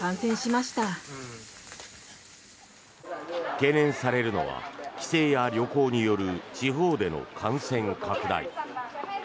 懸念されるのは帰省や旅行による地方での感染拡大。